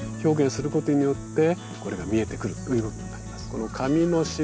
この紙の白